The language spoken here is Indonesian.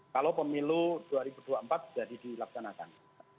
kalau pemilu dua ribu dua puluh empat jadi dilaksanakan